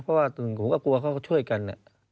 เพราะว่าผมก็กลัวเขาก็ช่วยกัน